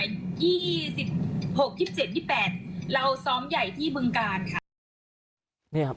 ยี่ยี่สิบหกยิบเจ็ดยี่แปดเราซ้อมใหญ่ที่เมืองกาลค่ะเนี่ยครับ